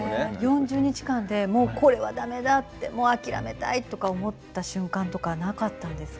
４０日間でもうこれはダメだってもう諦めたいとか思った瞬間とかなかったんですか？